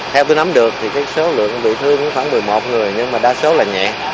theo tôi nắm được thì số lượng bị thương khoảng một mươi một người nhưng mà đa số là nhẹ